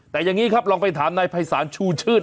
แต่อย่างนี้ครับลองไปถามนายภัยศาลชูชื่น